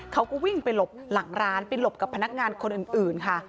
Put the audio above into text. เขาก็วิ่งไปหลบหลังร้านไปหลบกับพนักงานคนอื่นค่ะ